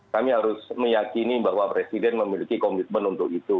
kami harus meyakini bahwa presiden memiliki komitmen untuk itu